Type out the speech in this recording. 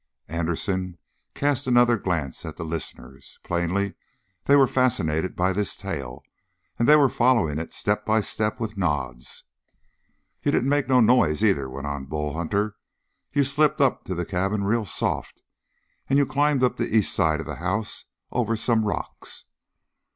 Anderson cast another glance at the listeners. Plainly they were fascinated by this tale, and they were following it step by step with nods. "You didn't make no noise, either," went on Bull Hunter. "You slipped up to the cabin real soft, and you climbed up on the east side of the house over some rocks."